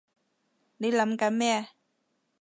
你諗緊咩？